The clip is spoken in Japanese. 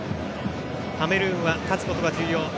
カメルーンは勝つことが重要。